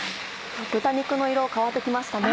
豚肉の色変わって来ましたね。